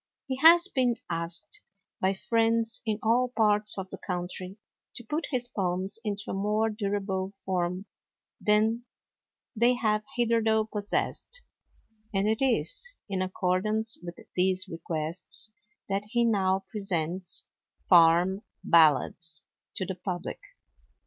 He has been asked, by friends in all parts of the country, to put his poems into a more durable form than they have hitherto possessed; and it is in accordance with these requests that he now presents "Farm Ballads" to the public.